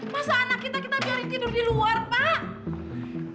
masa anak kita kita biarin tidur di luar pak